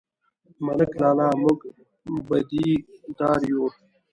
_ملک لالا، موږ بدي دار يو؟